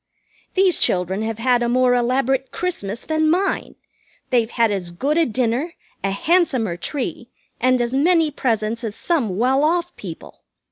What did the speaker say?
These children have had a more elaborate Christmas than mine. They've had as good a dinner, a handsomer tree, and as many presents as some well off people.